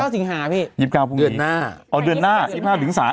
ฤยาสิงหาพี่ยิบเก้าพวกนี้เดือนหน้าอ๋อเดือนหน้ายิบเก้าถึงสา